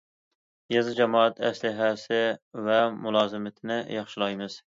يېزا جامائەت ئەسلىھەسى ۋە مۇلازىمىتىنى ياخشىلايمىز.